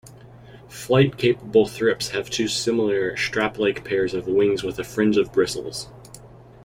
Flight-capable thrips have two similar, strap-like pairs of wings with a fringe of bristles.